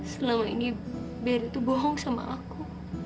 selama ini biar itu bohong sama aku